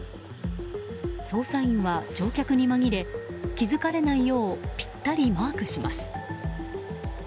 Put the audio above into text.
捜査員は乗客に紛れ気づかれないようぴったりマークします。